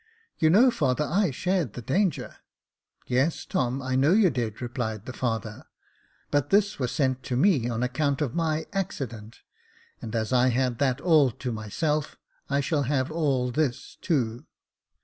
" You know, father, I shared the danger." •* Yes, Tom, I know you did," replied the father j " but 150 Jacob Faithful this was sent to me on account of my accident^ and as I had that all to myself, I shall have all this too."